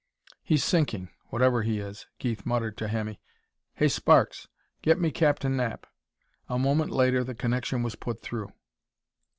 "He's sinking whatever he is," Keith muttered to Hemmy. "Hey, Sparks! Get me Captain Knapp." A moment later the connection was put through.